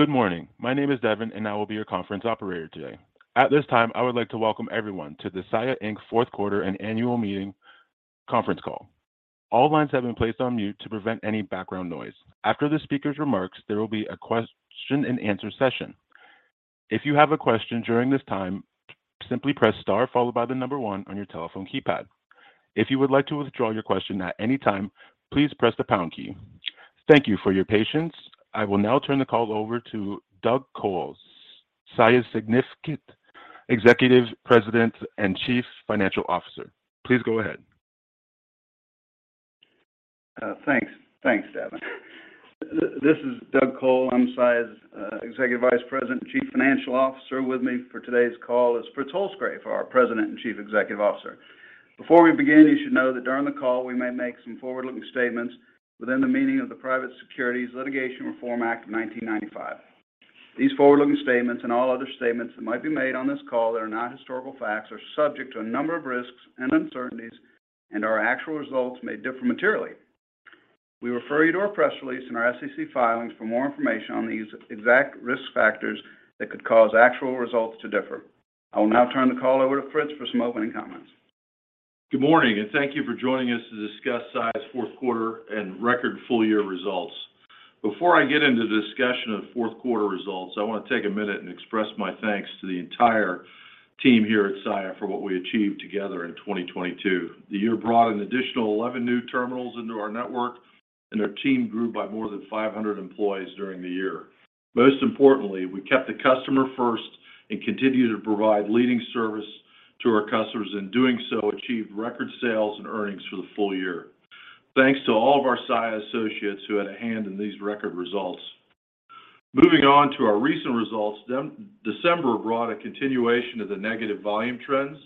Good morning. My name is Devin. I will be your conference operator today. At this time, I would like to welcome everyone to the Saia Inc. fourth quarter and annual meeting conference call. All lines have been placed on mute to prevent any background noise. After the speaker's remarks, there will be a question and answer session. If you have a question during this time, simply press star followed by the one on your telephone keypad. If you would like to withdraw your question at any time, please press the pound key. Thank you for your patience. I will now turn the call over to Doug Cole, Saia's Executive Vice President and Chief Financial Officer. Please go ahead. Thanks. Thanks, Devin. This is Doug Cole. I'm Saia's Executive Vice President and Chief Financial Officer. With me for today's call is Fritz Holzgrefe, our President and Chief Executive Officer. Before we begin, you should know that during the call we may make some forward-looking statements within the meaning of the Private Securities Litigation Reform Act of 1995. These forward-looking statements and all other statements that might be made on this call that are not historical facts are subject to a number of risks and uncertainties, and our actual results may differ materially. We refer you to our press release and our SEC filings for more information on these exact risk factors that could cause actual results to differ. I will now turn the call over to Fritz for some opening comments. Good morning, thank you for joining us to discuss Saia's fourth quarter and record full-year results. Before I get into the discussion of fourth quarter results, I want to take a minute and express my thanks to the entire team here at Saia for what we achieved together in 2022. The year brought an additional 11 new terminals into our network, and our team grew by more than 500 employees during the year. Most importantly, we kept the customer first and continued to provide leading service to our customers, in doing so, achieved record sales and earnings for the full year. Thanks to all of our Saia associates who had a hand in these record results. Moving on to our recent results, December brought a continuation of the negative volume trends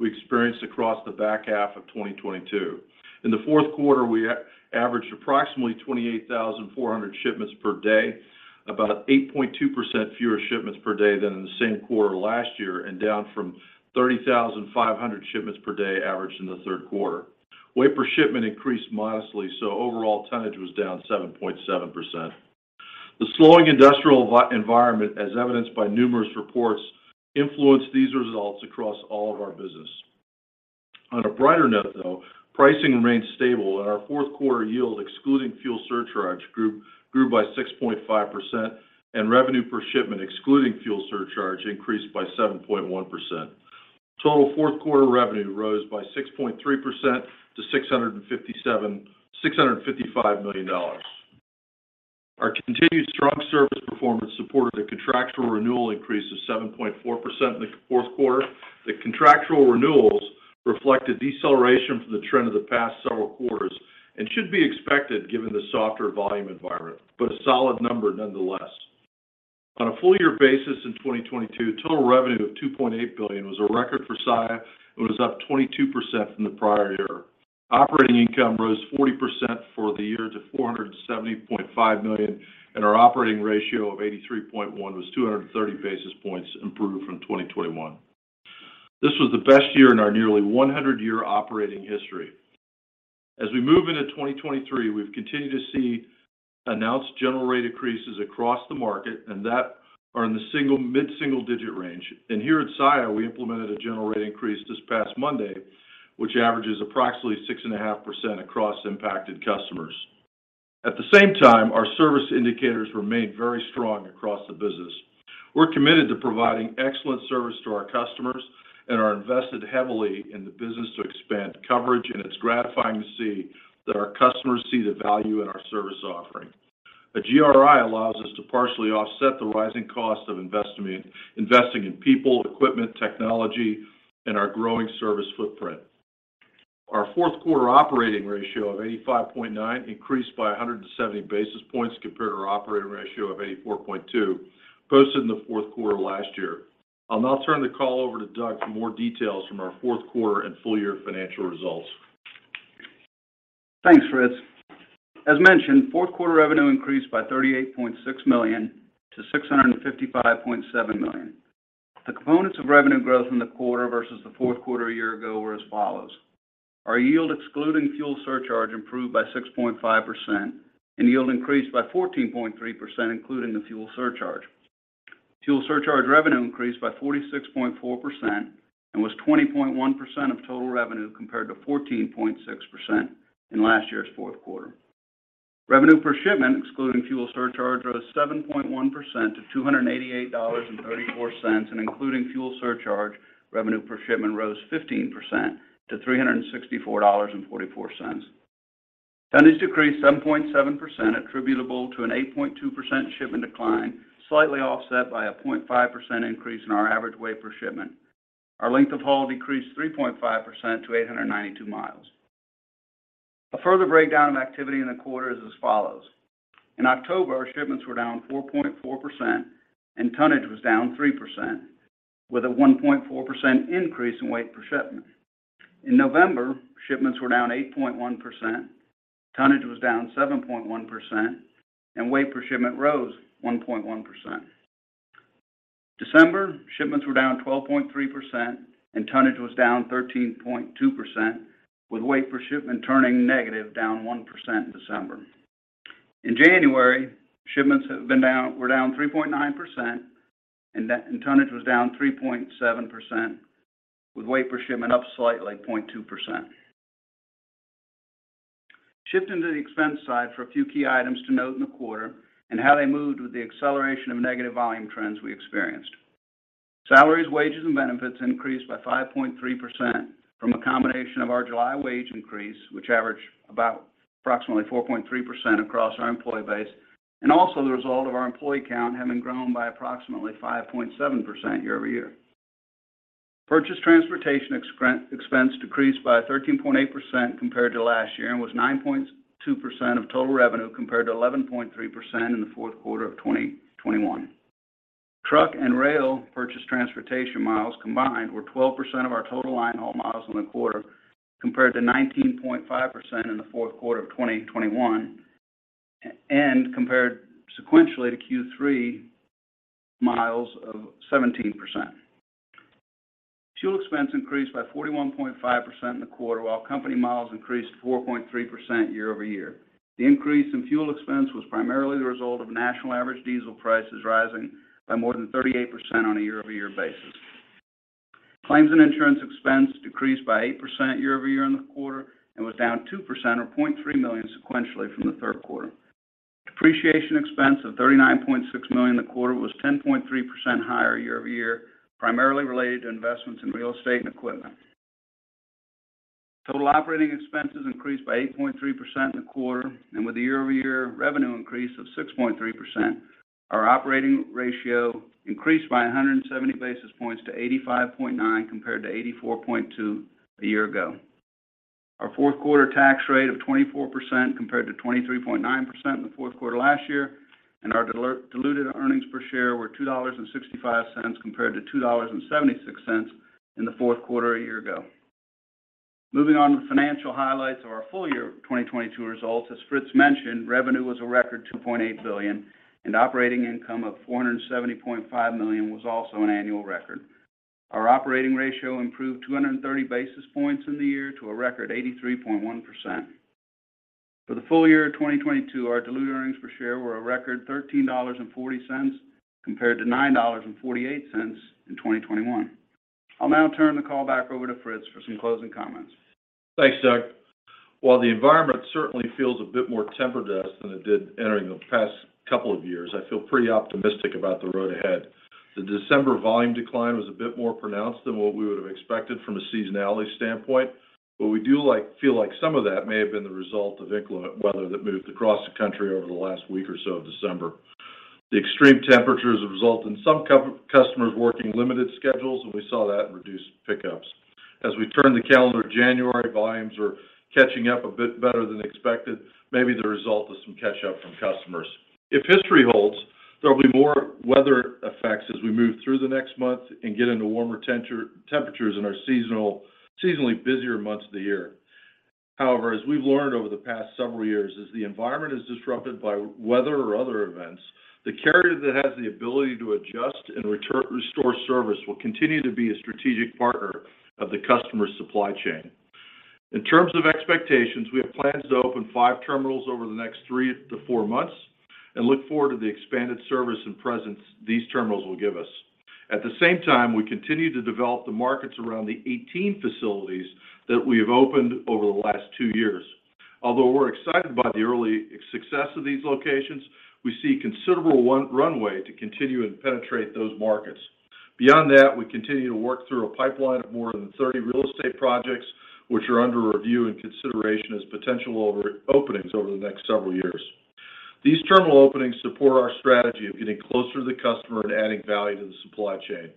we experienced across the back half of 2022. In the fourth quarter, we averaged approximately 28,400 shipments per day, about 8.2% fewer shipments per day than in the same quarter last year and down from 30,500 shipments per day averaged in the third quarter. Weight per shipment increased modestly, so overall tonnage was down 7.7%. The slowing industrial environment, as evidenced by numerous reports, influenced these results across all of our business. On a brighter note, though, pricing remained stable and our fourth quarter yield, excluding fuel surcharge, grew by 6.5%, and revenue per shipment, excluding fuel surcharge, increased by 7.1%. Total fourth quarter revenue rose by 6.3% to $655 million. Our continued strong service performance supported a contractual renewal increase of 7.4% in the fourth quarter. The contractual renewals reflect a deceleration from the trend of the past several quarters and should be expected given the softer volume environment, but a solid number nonetheless. On a full year basis in 2022, total revenue of $2.8 billion was a record for Saia. It was up 22% from the prior year. Operating income rose 40% for the year to $470.5 million, and our operating ratio of 83.1% was 230 basis points improved from 2021. This was the best year in our nearly 100-year operating history. As we move into 2023, we've continued to see announced general rate increases across the market, that are in the mid-single digit range. Here at Saia, we implemented a general rate increase this past Monday, which averages approximately 6.5% across impacted customers. At the same time, our service indicators remained very strong across the business. We're committed to providing excellent service to our customers and are invested heavily in the business to expand coverage, and it's gratifying to see that our customers see the value in our service offering. A GRI allows us to partially offset the rising cost of investing in people, equipment, technology, and our growing service footprint. Our fourth quarter operating ratio of 85.9% increased by 170 basis points compared to our operating ratio of 84.2% posted in the fourth quarter last year. I'll now turn the call over to Doug for more details from our fourth quarter and full year financial results. Thanks, Fritz. As mentioned, fourth quarter revenue increased by $38.6 million-$655.7 million. The components of revenue growth in the quarter versus the fourth quarter a year ago were as follows. Our yield, excluding fuel surcharge, improved by 6.5%, and yield increased by 14.3% including the fuel surcharge. Fuel surcharge revenue increased by 46.4% and was 20.1% of total revenue compared to 14.6% in last year's fourth quarter. Revenue per shipment excluding fuel surcharge rose 7.1% to $288.34, and including fuel surcharge, revenue per shipment rose 15% to $364.44. Tonnage decreased 7.7% attributable to an 8.2% shipment decline, slightly offset by a 0.5% increase in our average weight per shipment. Our length of haul decreased 3.5% to 892 mi. A further breakdown of activity in the quarter is as follows. In October, our shipments were down 4.4% and tonnage was down 3% with a 1.4% increase in weight per shipment. In November, shipments were down 8.1%, tonnage was down 7.1%, and weight per shipment rose 1.1%. December shipments were down 12.3% and tonnage was down 13.2% with weight per shipment turning negative, down 1% in December. In January, shipments have been down, were down 3.9% that, and tonnage was down 3.7% with weight per shipment up slightly at 0.2%. Shifting to the expense side for a few key items to note in the quarter and how they moved with the acceleration of negative volume trends we experienced. Salaries, wages, and benefits increased by 5.3% from a combination of our July wage increase, which averaged about approximately 4.3% across our employee base, and also the result of our employee count having grown by approximately 5.7% year-over-year. Purchase transportation expense decreased by 13.8% compared to last year and was 9.2% of total revenue compared to 11.3% in the fourth quarter of 2021. Truck and rail purchase transportation miles combined were 12% of our total line haul miles in the quarter, compared to 19.5% in the fourth quarter of 2021. Compared sequentially to Q3, miles of 17%. Fuel expense increased by 41.5% in the quarter, while company miles increased 4.3% year-over-year. The increase in fuel expense was primarily the result of national average diesel prices rising by more than 38% on a year-over-year basis. Claims and insurance expense decreased by 8% year-over-year in the quarter and was down 2% or $0.3 million sequentially from the third quarter. Depreciation expense of $39.6 million in the quarter was 10.3% higher year-over-year, primarily related to investments in real estate and equipment. Total operating expenses increased by 8.3% in the quarter, and with a year-over-year revenue increase of 6.3%, our operating ratio increased by 170 basis points to 85.9%, compared to 84.2% a year ago. Our fourth quarter tax rate of 24% compared to 23.9% in the fourth quarter last year, and our diluted earnings per share were $2.65 compared to $2.76 in the fourth quarter a year ago. Moving on to the financial highlights of our full year 2022 results. As Fritz mentioned, revenue was a record $2.8 billion, and operating income of $470.5 million was also an annual record. Our operating ratio improved 230 basis points in the year to a record 83.1%. For the full year of 2022, our diluted earnings per share were a record $13.40 compared to $9.48 in 2021. I'll now turn the call back over to Fritz for some closing comments. Thanks, Doug. While the environment certainly feels a bit more tempered to us than it did entering the past couple of years, I feel pretty optimistic about the road ahead. The December volume decline was a bit more pronounced than what we would have expected from a seasonality standpoint. We do feel like some of that may have been the result of inclement weather that moved across the country over the last week or so of December. The extreme temperatures have resulted in some customers working limited schedules. We saw that in reduced pickups. As we turn the calendar to January, volumes are catching up a bit better than expected, maybe the result of some catch-up from customers. If history holds, there'll be more weather effects as we move through the next month and get into warmer temperatures in our seasonally busier months of the year. However, as we've learned over the past several years, as the environment is disrupted by weather or other events, the carrier that has the ability to adjust and restore service will continue to be a strategic partner of the customer's supply chain. In terms of expectations, we have plans to open five terminals over the next three to four months and look forward to the expanded service and presence these terminals will give us. At the same time, we continue to develop the markets around the 18 facilities that we have opened over the last two years. Although we're excited by the early success of these locations, we see considerable runway to continue and penetrate those markets. Beyond that, we continue to work through a pipeline of more than 30 real estate projects, which are under review and consideration as potential openings over the next several years. These terminal openings support our strategy of getting closer to the customer and adding value to the supply chain.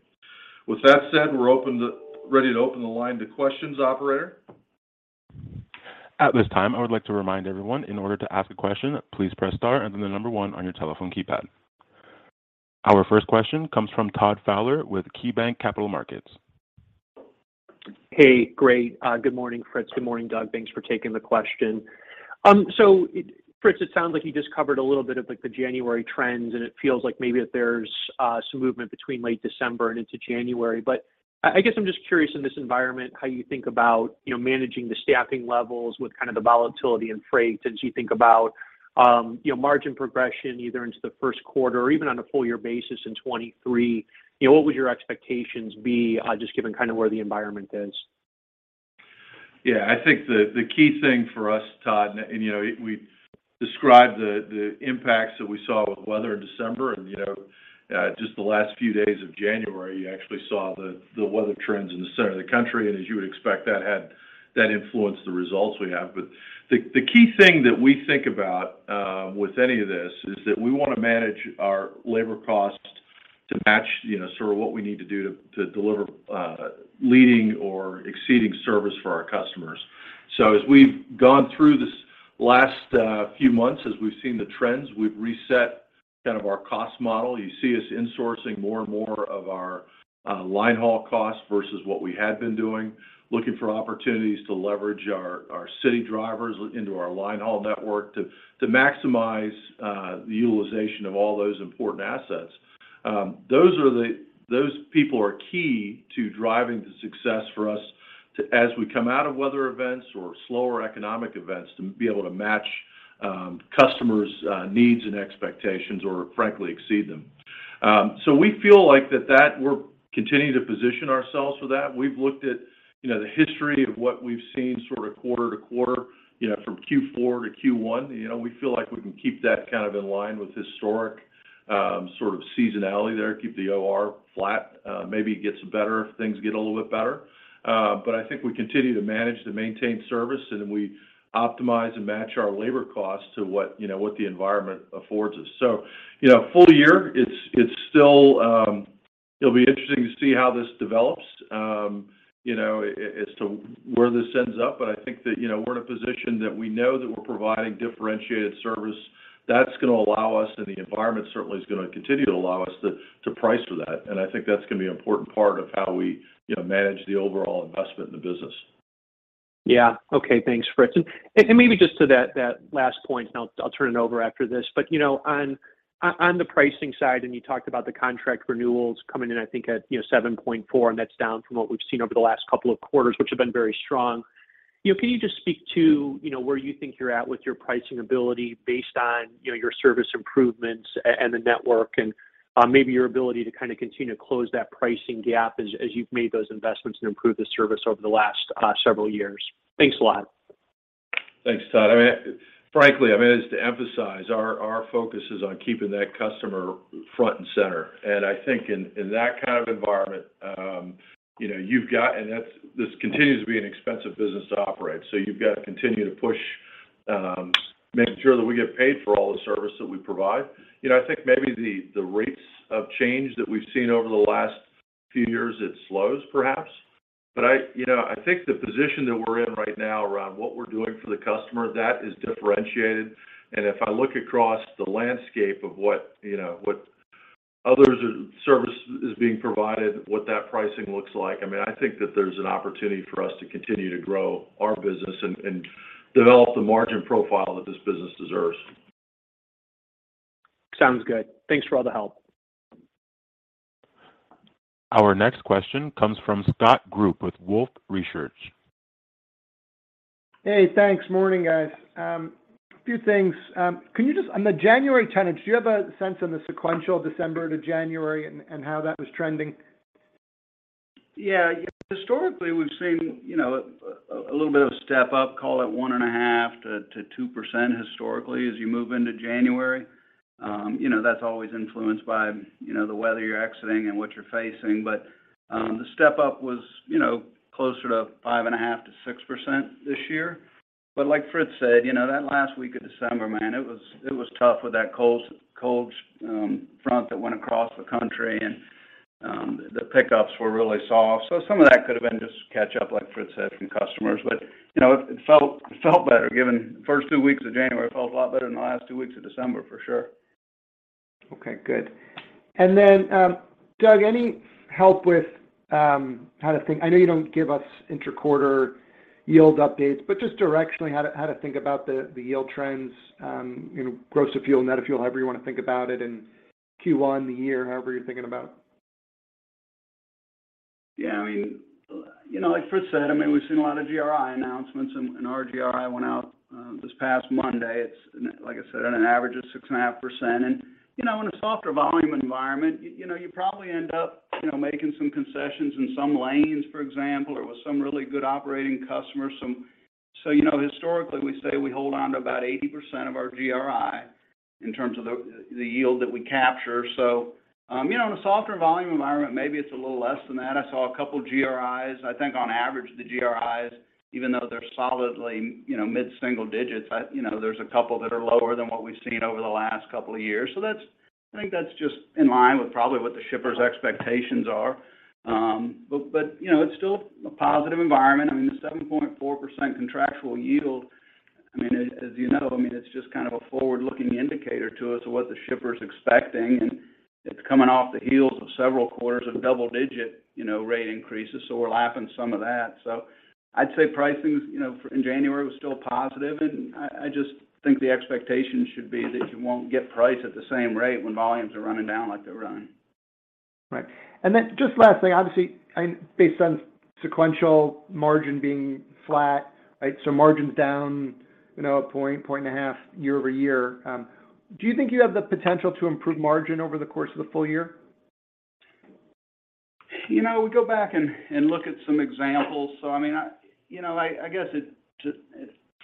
With that said, we're ready to open the line to questions, operator. At this time, I would like to remind everyone in order to ask a question, please press star and then the number one on your telephone keypad. Our first question comes from Todd Fowler with KeyBanc Capital Markets. Hey. Great. Good morning, Fritz. Good morning, Doug. Thanks for taking the question. Fritz, it sounds like you just covered a little bit of, like, the January trends, and it feels like maybe that there's some movement between late December and into January. I guess I'm just curious in this environment how you think about, you know, managing the staffing levels with kind of the volatility in freight as you think about, you know, margin progression either into the first quarter or even on a full year basis in 2023. You know, what would your expectations be, just given kind of where the environment is? I think the key thing for us, Todd, you know, we described the impacts that we saw with weather in December and, you know, just the last few days of January, you actually saw the weather trends in the center of the country. As you would expect, that influenced the results we have. The key thing that we think about with any of this is that we want to manage our labor costs to match, you know, sort of what we need to do to deliver leading or exceeding service for our customers. As we've gone through this last few months, as we've seen the trends, we've reset kind of our cost model. You see us insourcing more and more of our line haul costs versus what we had been doing, looking for opportunities to leverage our city drivers into our line haul network to maximize the utilization of all those important assets. Those people are key to driving the success for us. As we come out of weather events or slower economic events to be able to match, customers' needs and expectations or frankly exceed them. We feel like that that we're continuing to position ourselves for that. We've looked at, you know, the history of what we've seen sort of quarter-to-quarter, you know, from Q4 to Q1. You know, we feel like we can keep that kind of in line with historic sort of seasonality there, keep the OR flat. Maybe it gets better if things get a little bit better. I think we continue to manage to maintain service, and then we optimize and match our labor costs to what, you know, what the environment affords us. You know, full year, it's still... It'll be interesting to see how this develops, you know, as to where this ends up. I think that, you know, we're in a position that we know that we're providing differentiated service. That's gonna allow us, and the environment certainly is gonna continue to allow us to price for that. I think that's gonna be an important part of how we, you know, manage the overall investment in the business. Yeah. Okay. Thanks, Fritz. Maybe just to that last point, I'll turn it over after this. You know, on the pricing side, and you talked about the contract renewals coming in, I think at, you know, 7.4%, and that's down from what we've seen over the last couple of quarters, which have been very strong. You know, can you just speak to, you know, where you think you're at with your pricing ability based on, you know, your service improvements and the network and maybe your ability to kind of continue to close that pricing gap as you've made those investments and improved the service over the last several years? Thanks a lot. Thanks, Todd. I mean, frankly, I mean, is to emphasize our focus is on keeping that customer front and center. I think in that kind of environment, you know, you've got. This continues to be an expensive business to operate. You've got to continue to push, making sure that we get paid for all the service that we provide. You know, I think maybe the rates of change that we've seen over the last few years, it slows perhaps. I, you know, I think the position that we're in right now around what we're doing for the customer, that is differentiated. If I look across the landscape of what, you know, what others are. Service is being provided, what that pricing looks like. I mean, I think that there's an opportunity for us to continue to grow our business and develop the margin profile that this business deserves. Sounds good. Thanks for all the help. Our next question comes from Scott Group with Wolfe Research. Hey, thanks. Morning, guys. A few things. Can you just on the January trends, do you have a sense on the sequential December to January and how that was trending? Yeah. Historically, we've seen, you know, a little bit of step up, call it 1.5%-2% historically as you move into January. That's always influenced by, you know, the weather you're exiting and what you're facing. The step up was, you know, closer to 5.5%-6% this year. Like Fritz said, you know, that last week of December, man, it was tough with that cold front that went across the country, the pickups were really soft. Some of that could have been just catch up, like Fritz said, from customers. You know, it felt better given. First two weeks of January felt a lot better than the last two weeks of December, for sure. Okay, good. Then, Doug, any help with how to think, I know you don't give us inter-quarter yield updates, but just directionally, how to think about the yield trends, you know, gross to fuel, net to fuel, however you want to think about it in Q1, the year, however you're thinking about. Yeah. I mean, you know, like Fritz said, I mean, we've seen a lot of GRI announcements, and our GRI went out this past Monday. It's, like I said, at an average of 6.5%. You know, in a softer volume environment, you know, you probably end up, you know, making some concessions in some lanes, for example, or with some really good operating customers. You know, historically, we say we hold on to about 80% of our GRI in terms of the yield that we capture. You know, in a softer volume environment, maybe it's a little less than that. I saw a couple GRIs. I think on average, the GRIs, even though they're solidly, you know, mid-single digits, I... You know, there's a couple that are lower than what we've seen over the last couple of years. I think that's just in line with probably what the shippers expectations are. You know, it's still a positive environment. I mean, the 7.4% contractual yield, I mean, as you know, I mean, it's just kind of a forward-looking indicator to us of what the shipper is expecting, and it's coming off the heels of several quarters of double-digit, you know, rate increases, so we're lapping some of that. I'd say pricing, you know, in January was still positive. I just think the expectation should be that you won't get price at the same rate when volumes are running down like they're running. Right. Just last thing, obviously, based on sequential margin being flat, right? Margin's down, you know, 1.5 percentage points year-over-year. Do you think you have the potential to improve margin over the course of the full year? You know, we go back and look at some examples. I mean, I, you know, I guess it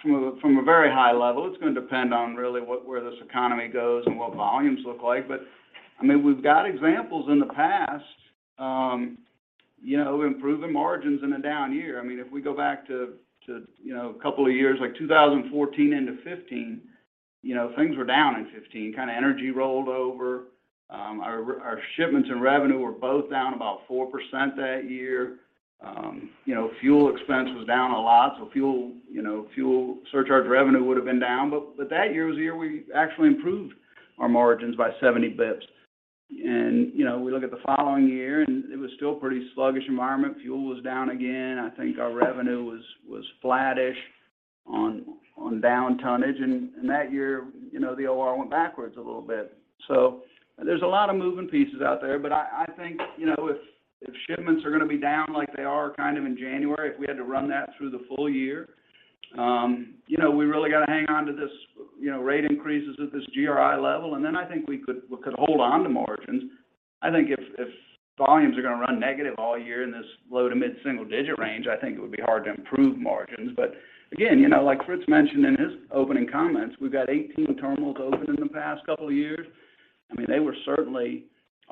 from a very high level, it's gonna depend on really where this economy goes and what volumes look like. I mean, we've got examples in the past, you know, improving margins in a down year. I mean, if we go back to, you know, a couple of years like 2014 into 2015, you know, things were down in 2015, kinda energy rolled over. Our shipments and revenue were both down about 4% that year. You know, fuel expense was down a lot, fuel, you know, fuel surcharge revenue would have been down. That year was the year we actually improved our margins by 70 basis points. You know, we look at the following year, it was still pretty sluggish environment. Fuel was down again. I think our revenue was flattish on down tonnage. That year, you know, the OR went backwards a little bit. There's a lot of moving pieces out there, but I think, you know, if shipments are gonna be down like they are kind of in January, if we had to run that through the full year, you know, we really got to hang on to this, you know, rate increases at this GRI level. Then I think we could hold on to margins. I think if volumes are gonna run negative all year in this low to mid-single digit range, I think it would be hard to improve margins. Again, you know, like Fritz mentioned in his opening comments, we've got 18 terminals open in the past couple of years. I mean,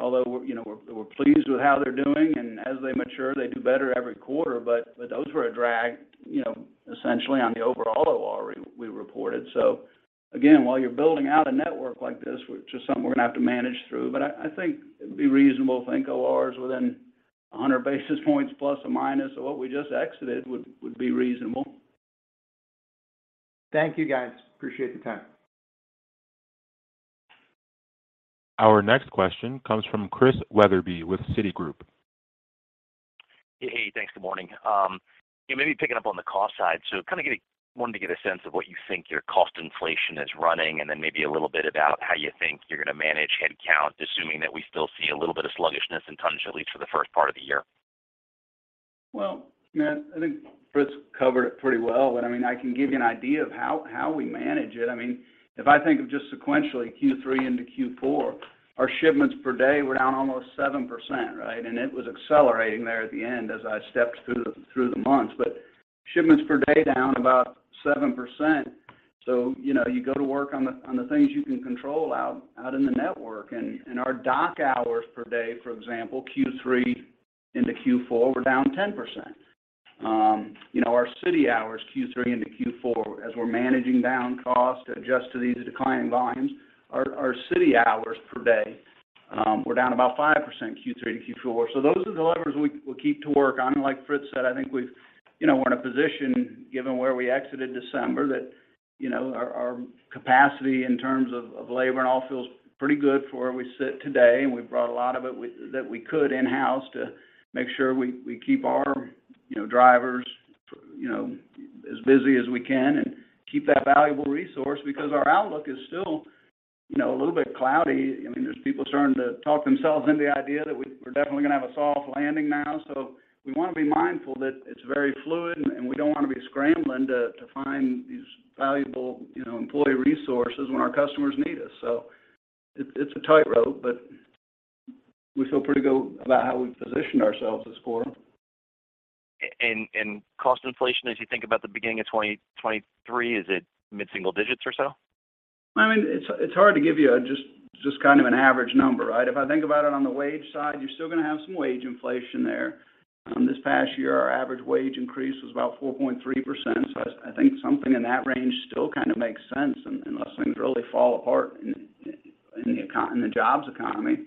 although, you know, we're pleased with how they're doing, and as they mature, they do better every quarter. Those were a drag, you know, essentially on the overall OR we reported. Again, while you're building out a network like this, which is something we're gonna have to manage through, I think it'd be reasonable to think OR is within ±100 basis points of what we just exited would be reasonable. Thank you, guys. Appreciate the time. Our next question comes from Christian Wetherbee with Citigroup. Hey. Thanks. Good morning. Yeah, maybe picking up on the cost side. Wanting to get a sense of what you think your cost inflation is running, and then maybe a little bit about how you think you're gonna manage headcount, assuming that we still see a little bit of sluggishness in tonnage, at least for the first part of the year. Well, yeah, I think Fritz covered it pretty well. I mean, I can give you an idea of how we manage it. I mean, if I think of just sequentially Q3 into Q4, our shipments per day were down almost 7%, right? It was accelerating there at the end as I stepped through the months. Shipments per day down about 7%. You know, you go to work on the things you can control out in the network. Our dock hours per day, for example, Q3 into Q4 were down 10%. You know, our city hours, Q3 into Q4, as we're managing down cost to adjust to these declining volumes, our city hours per day, were down about 5% Q3 to Q4. Those are the levers we'll keep to work on. Like Fritz said, I think we've... you know, we're in a position, given where we exited December, that, you know, our capacity in terms of labor and all feels pretty good for where we sit today. We brought a lot of it that we could in-house to make sure we keep our, you know, drivers, you know, as busy as we can and keep that valuable resource because our outlook is still, you know, a little bit cloudy. I mean, there's people starting to talk themselves into the idea that we're definitely gonna have a soft landing now. We want to be mindful that it's very fluid, and we don't want to be scrambling to find these valuable, you know, employee resources when our customers need us. It's a tightrope, but we feel pretty good about how we've positioned ourselves thus far. And cost inflation, as you think about the beginning of 2023, is it mid-single digits or so? I mean, it's hard to give you just kind of an average number, right? If I think about it on the wage side, you're still gonna have some wage inflation there. This past year, our average wage increase was about 4.3%. I think something in that range still kind of makes sense unless things really fall apart in the jobs economy.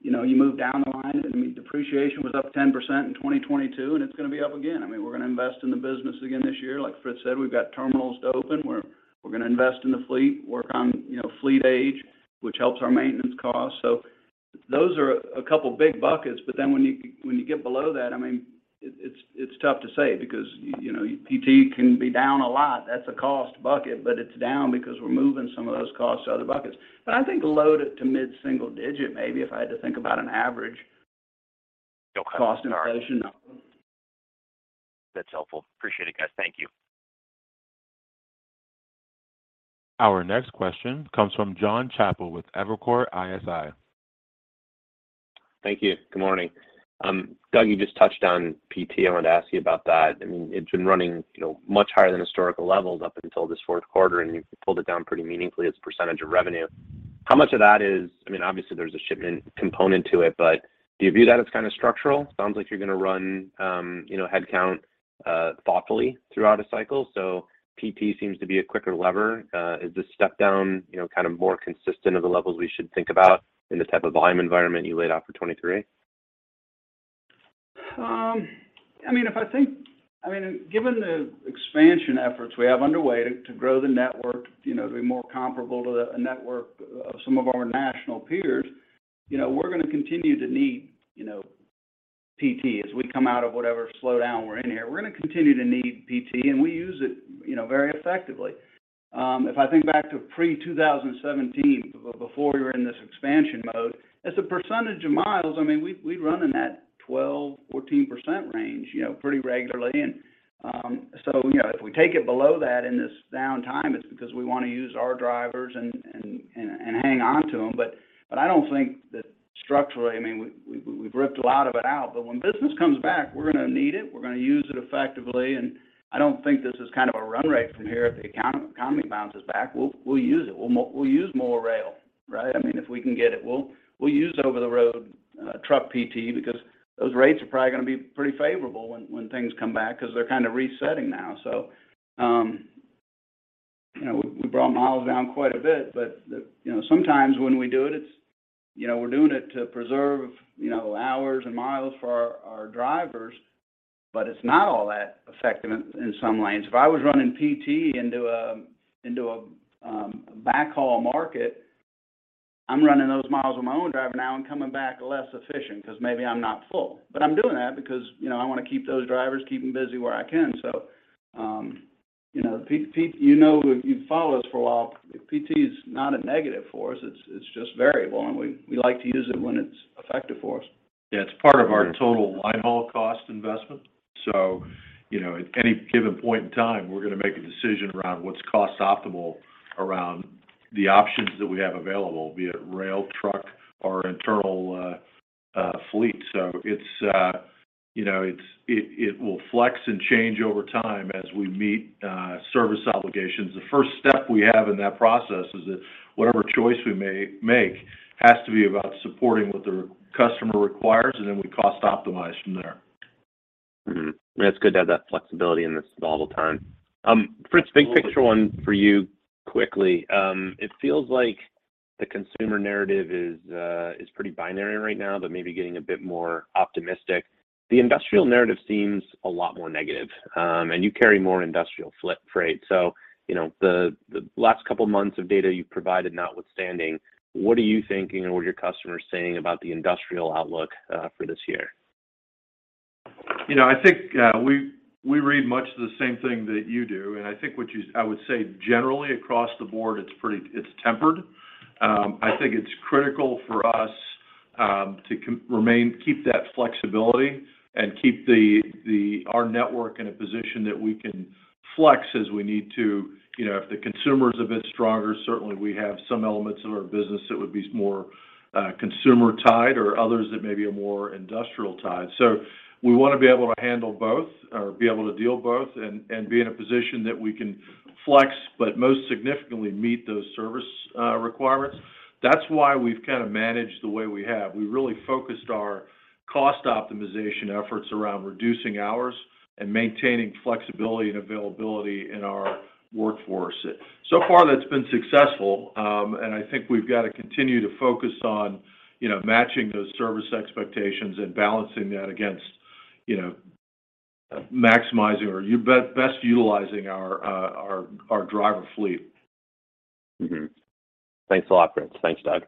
You know, you move down the line, I mean, depreciation was up 10% in 2022, and it's gonna be up again. I mean, we're gonna invest in the business again this year. Like Fritz said, we've got terminals to open. We're gonna invest in the fleet, work on, you know, fleet age, which helps our maintenance costs. Those are a couple of big buckets. When you get below that, I mean, it's tough to say because, you know, PT can be down a lot. That's a cost bucket, but it's down because we're moving some of those costs to other buckets. I think low to mid-single digit, maybe if I had to think about an average- Okay. All right.... cost inflation. That's helpful. Appreciate it, guys. Thank you. Our next question comes from Jonathan Chappell with Evercore ISI. Thank you. Good morning. Doug, you just touched on PT. I wanted to ask you about that. I mean, it's been running, you know, much higher than historical levels up until this fourth quarter, and you pulled it down pretty meaningfully as a percentage of revenue. How much of that is... I mean, obviously, there's a shipment component to it, but do you view that as kind of structural? Sounds like you're gonna run, you know, headcount, thoughtfully throughout a cycle. PT seems to be a quicker lever. Is this step down, you know, kind of more consistent of the levels we should think about in this type of volume environment you laid out for 2023? I mean, given the expansion efforts we have underway to grow the network, you know, to be more comparable to the network of some of our national peers, you know, we're gonna continue to need, you know, PT as we come out of whatever slowdown we're in here. We're gonna continue to need PT. We use it, you know, very effectively. If I think back to pre-2017, before we were in this expansion mode, as a percentage of miles, I mean, we run in that 12%-14% range, you know, pretty regularly. You know, if we take it below that in this downtime, it's because we want to use our drivers and hang on to them. I don't think that structurally... I mean, we've ripped a lot of it out. When business comes back, we're gonna need it. We're gonna use it effectively. I don't think this is kind of a run rate from here. If the economy bounces back, we'll use it. We'll use more rail, right? I mean, if we can get it, we'll use over-the-road truck PT because those rates are probably gonna be pretty favorable when things come back because they're kind of resetting now. You know, we brought miles down quite a bit. You know, sometimes when we do it's, you know, we're doing it to preserve, you know, hours and miles for our drivers, but it's not all that effective in some lanes. If I was running PT into a, into a, backhaul market. I'm running those miles with my own driver now and coming back less efficient because maybe I'm not full. I'm doing that because, you know, I want to keep those drivers, keep them busy where I can. You know, if you follow us for a while, PT is not a negative for us. It's just variable, and we like to use it when it's effective for us. Yeah. It's part of our total line haul cost investment. You know, at any given point in time, we're going to make a decision around what's cost optimal around the options that we have available, be it rail, truck, or internal fleet. It's, you know, it will flex and change over time as we meet service obligations. The first step we have in that process is that whatever choice we may make has to be about supporting what the customer requires, and then we cost optimize from there. It's good to have that flexibility in this volatile time. Fritz, big picture one for you quickly. It feels like the consumer narrative is pretty binary right now, but maybe getting a bit more optimistic. The industrial narrative seems a lot more negative, and you carry more industrial freight. You know, the last couple of months of data you've provided notwithstanding, what are you thinking or what are your customers saying about the industrial outlook for this year? You know, I think, we read much the same thing that you do, and I think I would say generally across the board, it's tempered. I think it's critical for us to remain, keep that flexibility, and keep the our network in a position that we can flex as we need to. You know, if the consumer is a bit stronger, certainly we have some elements of our business that would be more consumer-tied or others that may be more industrial-tied. We want to be able to handle both or be able to deal both and be in a position that we can flex, but most significantly meet those service requirements. That's why we've managed the way we have. We really focused our cost optimization efforts around reducing hours and maintaining flexibility and availability in our workforce. So far, that's been successful. And I think we've got to continue to focus on, you know, matching those service expectations and balancing that against, you know, maximizing or best utilizing our driver fleet. Thanks a lot, Fritz. Thanks, Doug.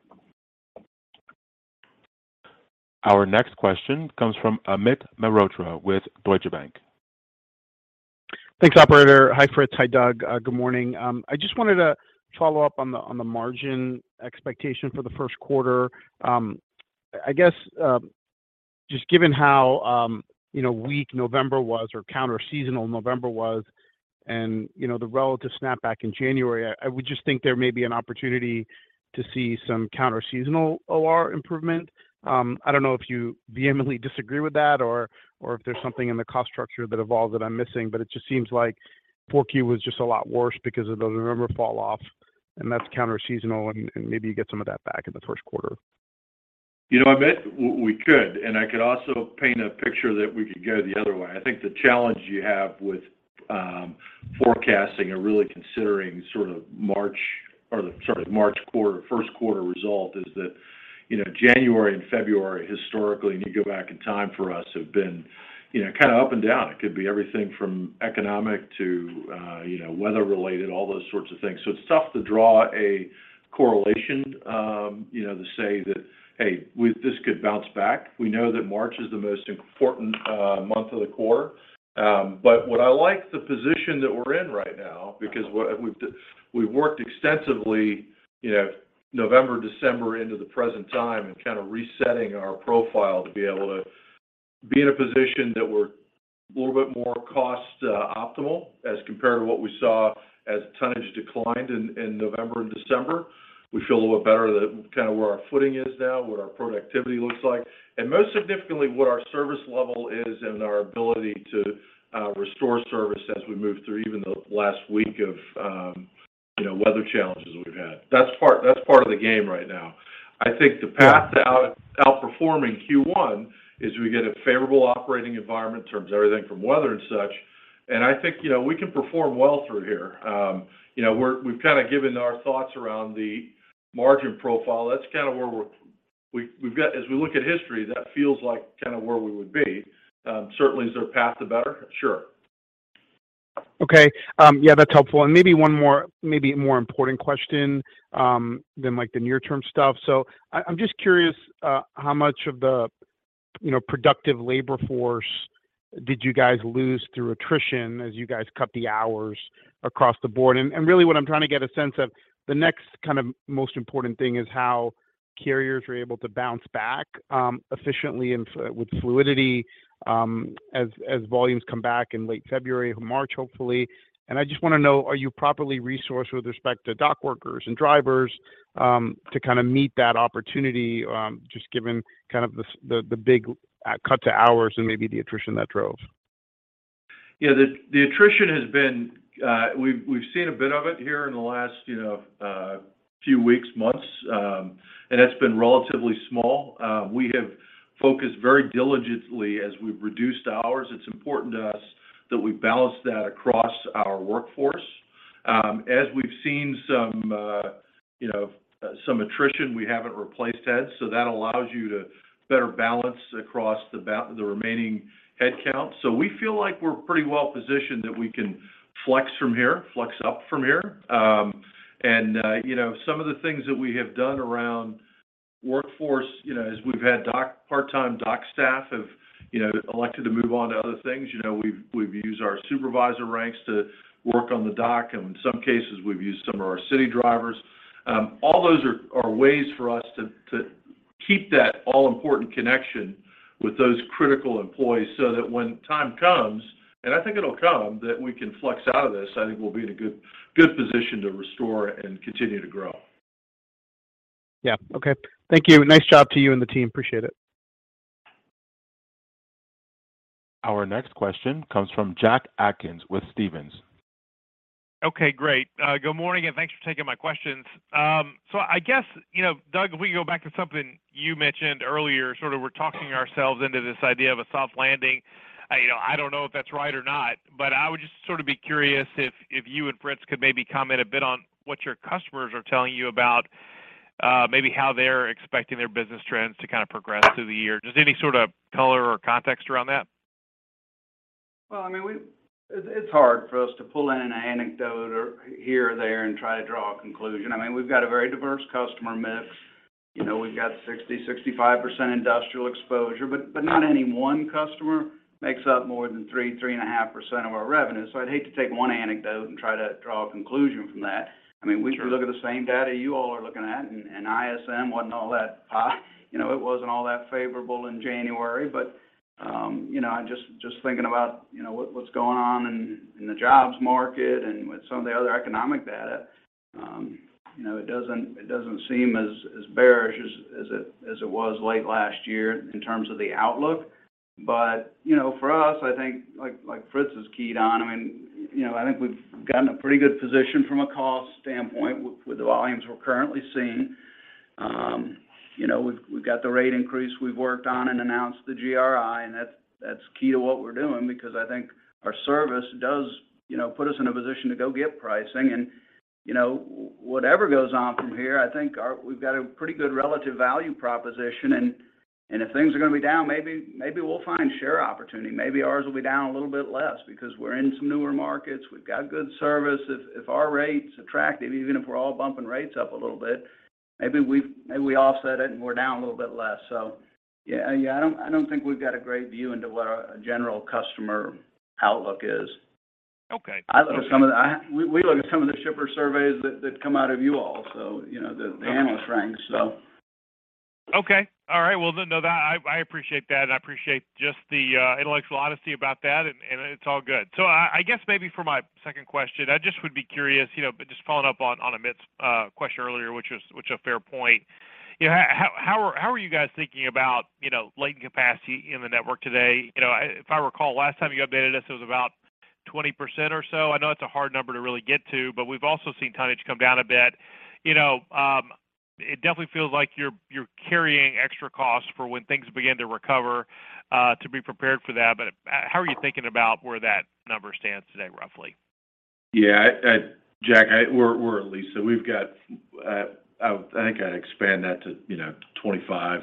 Our next question comes from Amit Mehrotra with Deutsche Bank. Thanks, operator. Hi, Fritz. Hi, Doug. Good morning. I just wanted to follow up on the, on the margin expectation for the first quarter. I guess, just given how, you know, weak November was or counterseasonal November was and, you know, the relative snap back in January, I would just think there may be an opportunity to see some counterseasonal OR improvement. I don't know if you vehemently disagree with that or if there's something in the cost structure that evolved that I'm missing, but it just seems like 4Q was just a lot worse because of the November fall off, and that's counterseasonal, and maybe you get some of that back in the first quarter. You know, Amit, we could also paint a picture that we could go the other way. I think the challenge you have with forecasting or really considering sort of March or sorry, March quarter, first quarter result is that, you know, January and February, historically, you go back in time for us, have been, you know, up and down. It could be everything from economic to, you know, weather related, all those sorts of things. It's tough to draw a correlation, you know, to say that, hey, this could bounce back. We know that March is the most important month of the quarter. What I like the position that we're in right now, because we've worked extensively, you know, November, December into the present time and resetting our profile to be able to be in a position that we're a little bit more cost optimal as compared to what we saw as tonnage declined in November and December. We feel a little bit better that where our footing is now, what our productivity looks like, and most significantly, what our service level is and our ability to restore service as we move through even the last week of, you know, weather challenges we've had. That's part of the game right now. I think the path to outperforming Q1 is we get a favorable operating environment in terms of everything from weather and such, and I think, you know, we can perform well through here. You know, we've given our thoughts around the margin profile. As we look at history, that feels like where we would be. Certainly is there path to better? Sure. Okay. Yeah, that's helpful. Maybe one more, maybe more important question, than, like, the near-term stuff. I'm just curious, how much of the, you know, productive labor force did you guys lose through attrition as you guys cut the hours across the board? Really what I'm trying to get a sense of, the next most important thing is how carriers are able to bounce back, efficiently and with fluidity, as volumes come back in late February or March, hopefully. I just want to know, are you properly resourced with respect to dock workers and drivers, to meet that opportunity, just given the big cut to hours and maybe the attrition that drove? Yeah. The attrition has been, we've seen a bit of it here in the last, you know, few weeks, months, and it's been relatively small. We have focused very diligently as we've reduced hours. It's important to us that we balance that across our workforce. As we've seen some, you know, some attrition, we haven't replaced heads, so that allows you to better balance across the remaining headcount. We feel like we're pretty well positioned that we can flex from here, flex up from here. You know, some of the things that we have done around workforce, you know, as we've had part-time dock staff have, you know, elected to move on to other things. You know, we've used our supervisor ranks to work on the dock, and in some cases, we've used some of our city drivers. All those are ways for us to keep that all-important connection with those critical employees so that when time comes, and I think it'll come, that we can flex out of this, I think we'll be in a good position to restore and continue to grow. Yeah. Okay. Thank you. Nice job to you and the team. Appreciate it. Our next question comes from Jack Atkins with Stephens. Okay, great. Good morning, and thanks for taking my questions. I guess, you know, Doug, if we can go back to something you mentioned earlier, sort of we're talking ourselves into this idea of a soft landing. You know, I don't know if that's right or not, but I would just sort of be curious if you and Fritz could maybe comment a bit on what your customers are telling you about, maybe how they're expecting their business trends to kind of progress through the year. Just any sort of color or context around that. Well, I mean, it's hard for us to pull in an anecdote or here or there and try to draw a conclusion. I mean, we've got a very diverse customer mix. You know, we've got 60%-65% industrial exposure, but not any one customer makes up more than 3.5% of our revenue. I'd hate to take one anecdote and try to draw a conclusion from that. Sure. I mean, we can look at the same data you all are looking at, and ISM wasn't all that high. You know, it wasn't all that favorable in January. You know, just thinking about, you know, what's going on in the jobs market and with some of the other economic data, you know, it doesn't seem as bearish as it was late last year in terms of the outlook. You know, for us, I think like Fritz has keyed on, I mean, you know, I think we've gotten a pretty good position from a cost standpoint with the volumes we're currently seeing. You know, we've got the rate increase we've worked on and announced the GRI, and that's key to what we're doing because I think our service does, you know, put us in a position to go get pricing. You know, whatever goes on from here, I think our we've got a pretty good relative value proposition. If things are gonna be down, maybe we'll find share opportunity. Maybe ours will be down a little bit less because we're in some newer markets. We've got good service. If our rate's attractive, even if we're all bumping rates up a little bit, maybe we offset it, and we're down a little bit less. Yeah, I don't think we've got a great view into what a general customer outlook is. Okay. Okay. We look at some of the shipper surveys that come out of you all, so, you know, the annual ranks, so. Okay. All right. Well, know that I appreciate that. I appreciate just the intellectual honesty about that, and it's all good. I guess maybe for my second question, I just would be curious, you know, but just following up on Amit's question earlier, which a fair point. You know, how are you guys thinking about, you know, latent capacity in the network today? You know, if I recall, last time you updated us, it was about 20% or so. I know it's a hard number to really get to, but we've also seen tonnage come down a bit. You know, it definitely feels like you're carrying extra costs for when things begin to recover, to be prepared for that. How are you thinking about where that number stands today, roughly? Yeah. Jack, we're at least. We've got, I think I'd expand that to, you know, 25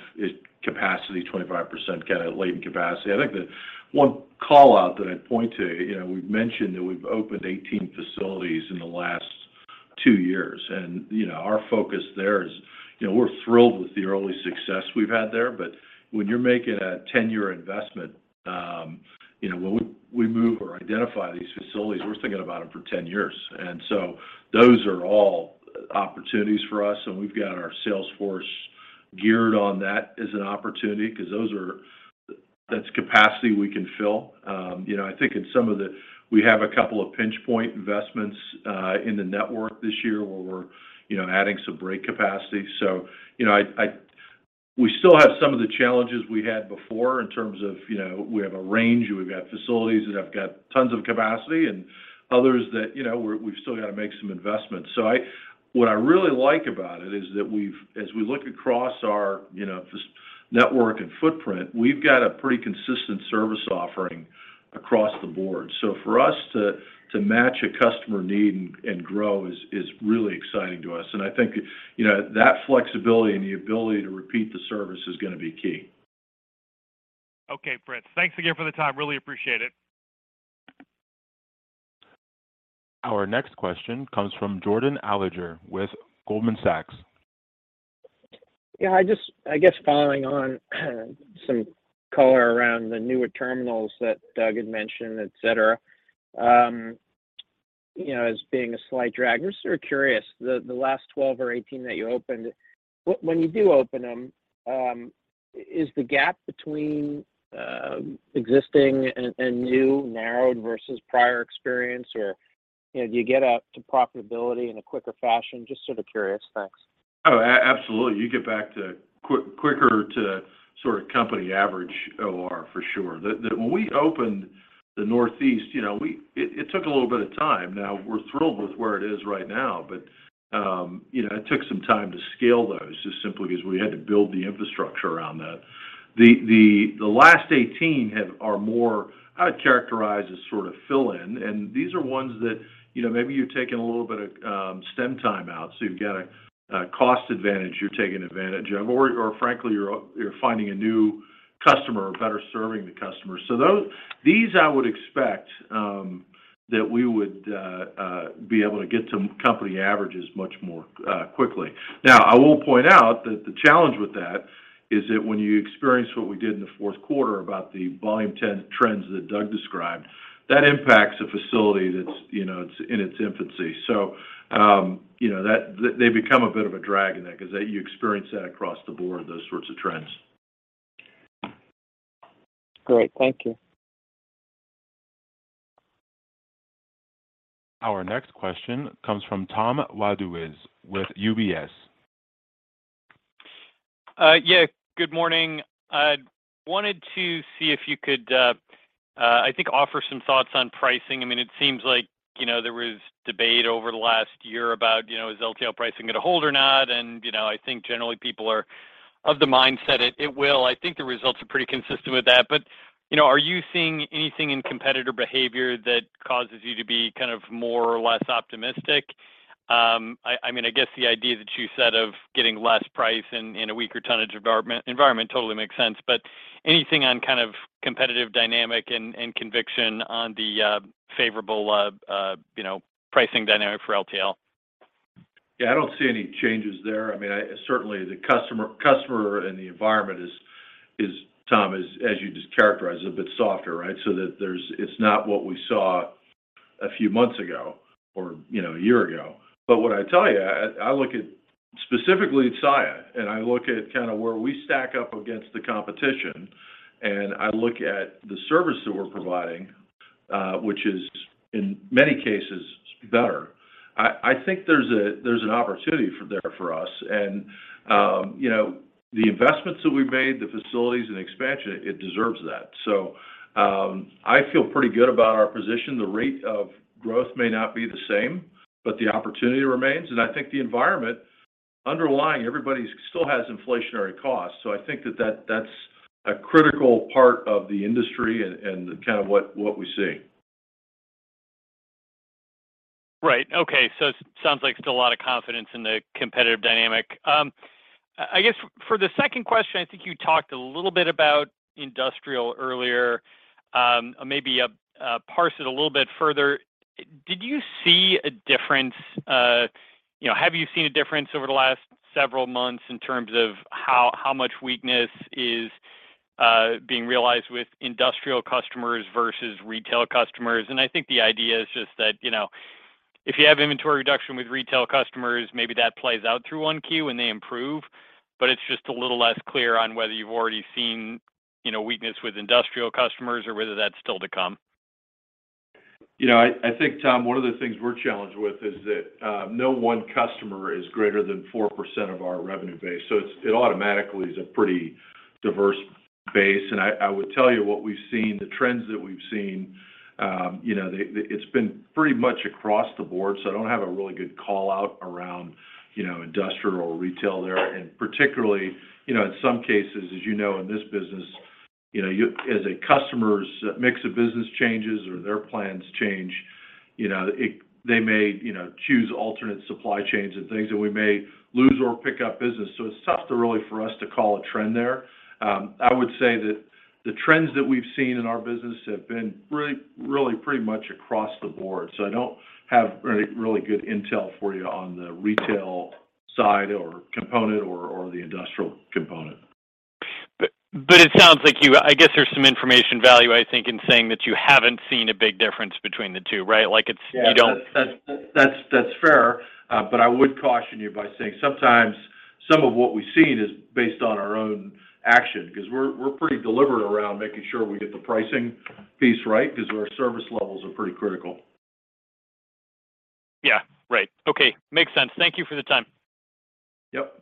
capacity, 25% kinda latent capacity. I think the one call-out that I'd point to, you know, we've mentioned that we've opened 18 facilities in the last two years. You know, our focus there is, you know, we're thrilled with the early success we've had there, but when you're making a 10-year investment, you know, when we move or identify these facilities, we're thinking about them for 10 years. Those are all opportunities for us, and we've got our sales force geared on that as an opportunity because that's capacity we can fill. You know, I think in some of the... We have a couple of pinch point investments in the network this year where we're, you know, adding some brake capacity. You know, we still have some of the challenges we had before in terms of, you know, we have a range. We've got facilities that have got tons of capacity and others that, you know, we've still got to make some investments. What I really like about it is that as we look across our, you know, this network and footprint, we've got a pretty consistent service offering across the board. For us to match a customer need and grow is really exciting to us. I think, you know, that flexibility and the ability to repeat the service is gonna be key. Okay, Fritz. Thanks again for the time. Really appreciate it. Our next question comes from Jordan Alliger with Goldman Sachs. Yeah. I just I guess following on some color around the newer terminals that Doug had mentioned, et cetera, you know, as being a slight drag. I'm just sort of curious, the last 12 or 18 that you opened, when you do open them, is the gap between existing and new narrowed versus prior experience? You know, do you get up to profitability in a quicker fashion? Just sort of curious. Thanks. Absolutely. You get back to quicker to sort of company average OR for sure. When we opened the Northeast, you know, it took a little bit of time. Now we're thrilled with where it is right now, you know, it took some time to scale those just simply because we had to build the infrastructure around that. The last 18 are more, I'd characterize as sort of fill in. These are ones that, you know, maybe you've taken a little bit of stem time out, so you've got a cost advantage you're taking advantage of, or frankly, you're finding a new customer or better serving the customer. These I would expect we would be able to get some company averages much more quickly. I will point out that the challenge with that is that when you experience what we did in the fourth quarter about the volume trends that Doug described, that impacts a facility that's, you know, it's in its infancy. You know, they become a bit of a drag in that because you experience that across the board, those sorts of trends. Great. Thank you. Our next question comes from Tom Wadewitz with UBS. Good morning. I wanted to see if you could, I think offer some thoughts on pricing. I mean, it seems like, you know, there was debate over the last year about, you know, is LTL pricing going to hold or not. You know, I think generally people are of the mindset it will. I think the results are pretty consistent with that. You know, are you seeing anything in competitor behavior that causes you to be kind of more or less optimistic? I mean, I guess the idea that you said of getting less price in a weaker tonnage environment totally makes sense. Anything on kind of competitive dynamic and conviction on the favorable, you know, pricing dynamic for LTL? Yeah, I don't see any changes there. I mean, certainly the customer and the environment is, Tom, as you just characterized, a bit softer, right? That it's not what we saw a few months ago or, you know, a year ago. What I tell you, I look at specifically at Saia, and I look at kind of where we stack up against the competition, and I look at the service that we're providing, which is in many cases better. I think there's a, there's an opportunity there for us. You know, the investments that we made, the facilities and expansion, it deserves that. I feel pretty good about our position. The rate of growth may not be the same, the opportunity remains. I think the environment underlying everybody still has inflationary costs. I think that's a critical part of the industry and kind of what we see. Right. Okay. It sounds like still a lot of confidence in the competitive dynamic. I guess for the second question, I think you talked a little bit about industrial earlier. Maybe parse it a little bit further. Did you see a difference, you know, have you seen a difference over the last several months in terms of how much weakness is being realized with industrial customers versus retail customers? I think the idea is just that, you know, if you have inventory reduction with retail customers, maybe that plays out through 1Q when they improve, but it's just a little less clear on whether you've already seen, you know, weakness with industrial customers or whether that's still to come? You know, I think, Tom, one of the things we're challenged with is that no one customer is greater than 4% of our revenue base. It automatically is a pretty diverse base. I would tell you what we've seen, the trends that we've seen, you know, it's been pretty much across the board. I don't have a really good call out around, you know, industrial or retail there. Particularly, you know, in some cases, as you know, in this business, you know, as a customer's mix of business changes or their plans change, you know, they may, you know, choose alternate supply chains and things, and we may lose or pick up business. It's tough to really for us to call a trend there. I would say that the trends that we've seen in our business have been really pretty much across the board. I don't have any really good intel for you on the retail side or the industrial component. It sounds like you... I guess there's some information value, I think, in saying that you haven't seen a big difference between the two, right? Like- Yeah. You don't- That's fair. I would caution you by saying sometimes some of what we've seen is based on our own action because we're pretty deliberate around making sure we get the pricing piece right because our service levels are pretty critical. Right. Okay. Makes sense. Thank you for the time. Yep.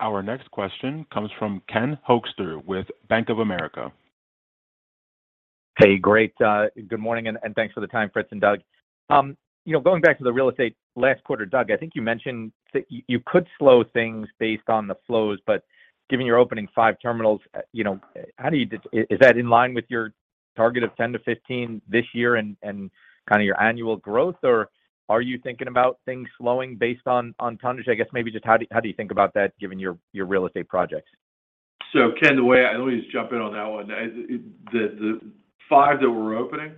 Our next question comes from Ken Hoexter with Bank of America. Hey, great. Good morning, thanks for the time, Fritz and Doug. You know, going back to the real estate last quarter, Doug, I think you mentioned that you could slow things based on the flows, but given your opening 5 terminals, you know, how do you is that in line with your target of 10-15 this year and kind of your annual growth? Are you thinking about things slowing based on tonnage? I guess maybe just how do you think about that given your real estate projects? Ken, the way I let me just jump in on that one. The five that we're opening,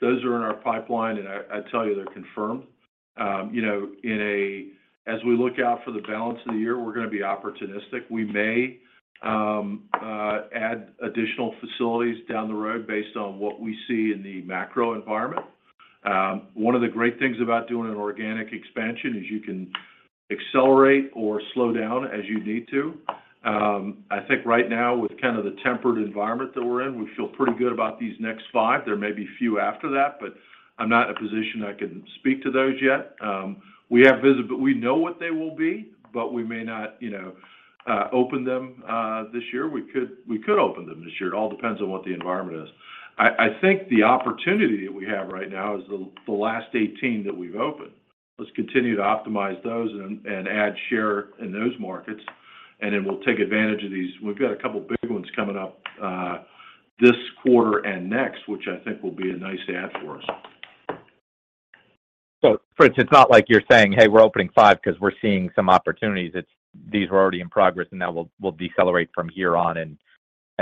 those are in our pipeline, and I tell you they're confirmed. You know, as we look out for the balance of the year, we're going to be opportunistic. We may add additional facilities down the road based on what we see in the macro environment. One of the great things about doing an organic expansion is you can accelerate or slow down as you need to. I think right now with kind of the tempered environment that we're in, we feel pretty good about these next five. There may be a few after that, but I'm not in a position I can speak to those yet. We know what they will be, but we may not, you know, open them this year. We could open them this year. It all depends on what the environment is. I think the opportunity that we have right now is the last 18 that we've opened. Let's continue to optimize those and add share in those markets. Then we'll take advantage of these. We've got a couple of big ones coming up this quarter and next, which I think will be a nice add for us. Fritz, it's not like you're saying, "Hey, we're opening five because we're seeing some opportunities." It's these were already in progress, and now we'll decelerate from here on and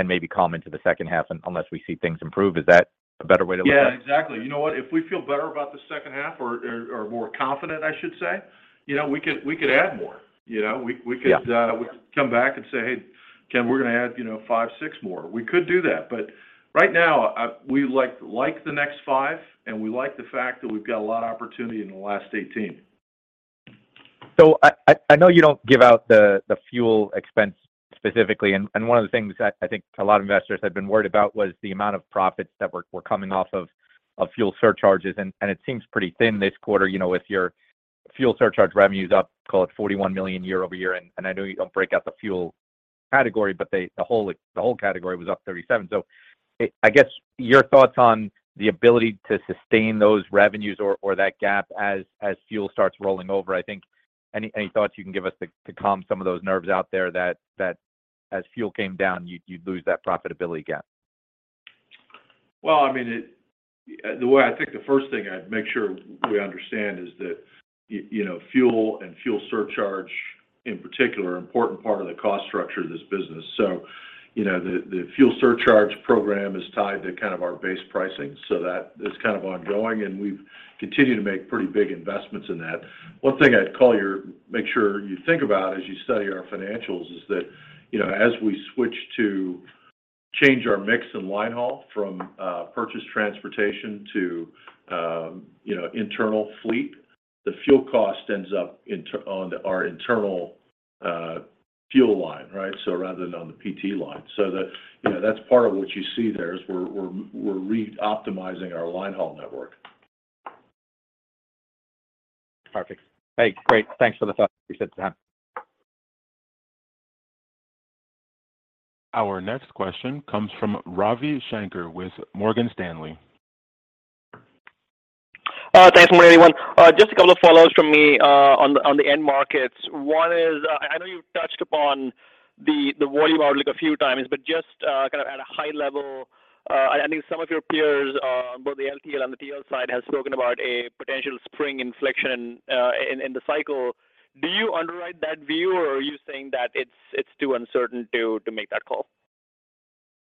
maybe calm into the second half unless we see things improve. Is that a better way to look at it? Yeah, exactly. You know what? If we feel better about the second half or more confident, I should say, you know, we could add more. You know? Yeah. We could come back and say, "Hey, Ken, we're gonna add, you know, five, six more." We could do that, but right now, we like the next five, and we like the fact that we've got a lot of opportunity in the last 18. I know you don't give out the fuel expense specifically, and one of the things that I think a lot of investors had been worried about was the amount of profits that were coming off of fuel surcharges, and it seems pretty thin this quarter, you know, with your fuel surcharge revenues up, call it $41 million year-over-year. I know you don't break out the fuel category, but the whole category was up $37 million. I guess your thoughts on the ability to sustain those revenues or that gap as fuel starts rolling over, I think any thoughts you can give us to calm some of those nerves out there that as fuel came down, you'd lose that profitability gap? Well, I mean, it, the way I think the first thing I'd make sure we understand is that you know, fuel and fuel surcharge, in particular, are an important part of the cost structure of this business. The fuel surcharge program is tied to kind of our base pricing, that is kind of ongoing, and we continue to make pretty big investments in that. One thing I'd call your make sure you think about as you study our financials is that, you know, as we switch to change our mix in line haul from purchase transportation to, you know, internal fleet, the fuel cost ends up on our internal fuel line, right? Rather than on the PT line. The, you know, that's part of what you see there is we're re-optimizing our line haul network. Perfect. Hey, great. Thanks for the thoughts you said, Ken. Our next question comes from Ravi Shanker with Morgan Stanley. Thanks, morning, everyone. Just a couple of follow-ups from me on the end markets. One is, I know you touched upon the volume outlook a few times, but just kind of at a high level, I think some of your peers, both the LTL and the TL side, have spoken about a potential spring inflection in the cycle. Do you underwrite that view, or are you saying that it's too uncertain to make that call?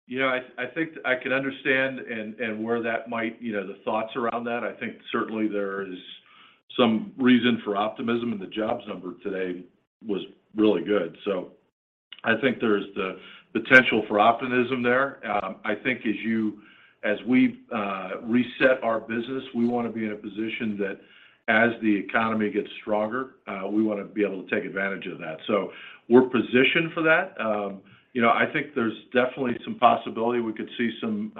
You know, I think I can understand and where that might, you know, the thoughts around that. I think certainly there is some reason for optimism. The jobs number today was really good. I think there's the potential for optimism there. I think as we reset our business, we want to be in a position that as the economy gets stronger, we want to be able to take advantage of that. We're positioned for that. You know, I think there's definitely some possibility we could see some,